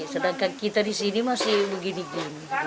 sedangkan kita di sini masih begini gini